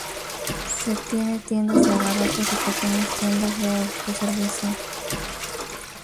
Se tiene tiendas de abarrotes y pequeñas tiendas de autoservicio.